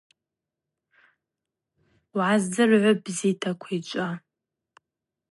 Угӏаздзыргӏвы, бзита, Квайчӏва.